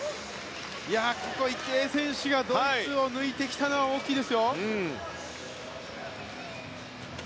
ここ、池江選手がドイツを抜いたのは大きいです。